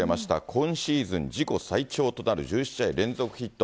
今シーズン自己最長となる１１試合連続ヒット。